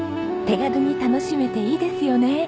手軽に楽しめていいですよね。